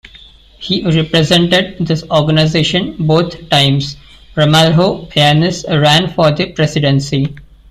He represented this organization both times Ramalho Eanes ran for the Presidency.